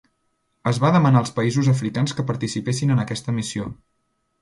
Es va demanar als països africans que participessin en aquesta missió.